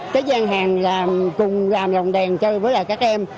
cái gian hàng cùng làm lòng đèn chơi với các em